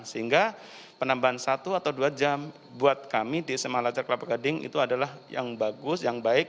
sehingga penambahan satu atau dua jam buat kami di sma laca kelapa gading itu adalah yang bagus yang baik